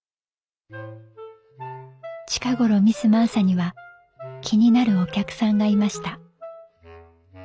「近頃ミス・マーサには気になるお客さんがいました」。